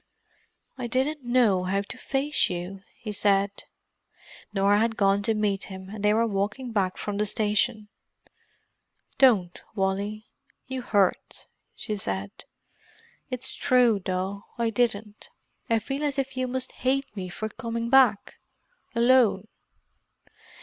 "I didn't know how to face you," he said. Norah had gone to meet him, and they were walking back from the station. "Don't, Wally; you hurt," she said. "It's true, though; I didn't. I feel as if you must hate me for coming back—alone."